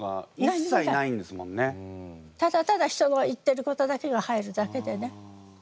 ただただ人が言ってることだけが入るだけでね。